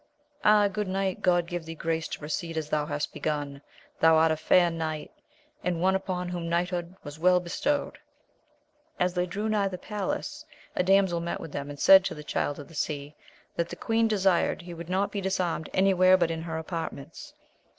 Ah, good knight ! God give thee grace to proceed as thou hast begun ! thou art a fair knight, and one upon whom knighthood was well bestowed. As they drew nigh the palace, a damsel met them, and said to the Child of the Sea, that the queen desired he would not be disarmed any where but in her apartments.